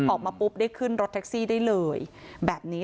ออกมาปุ๊บได้ขึ้นรถแท็กซี่ได้เลยแบบนี้